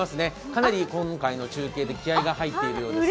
かなり今回の中継で気合いが入っているようです。